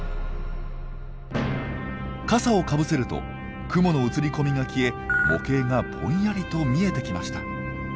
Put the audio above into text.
傘をかぶせると雲の映り込みが消え模型がぼんやりと見えてきました。